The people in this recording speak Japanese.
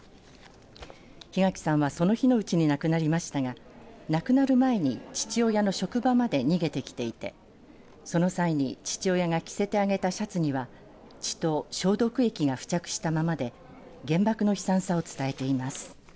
檜垣さんはその日のうちに亡くなりましたが亡くなる前に父親の職場まで逃げて来ていてその際に父親が着せてあげたシャツには血と消毒液が付着したままで原爆の悲惨さを伝えています。